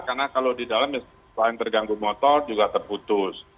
karena kalau di dalam selain terganggu motor juga terputus